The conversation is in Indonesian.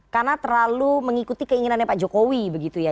karena terlalu mengikuti keinginannya pak jokowi begitu ya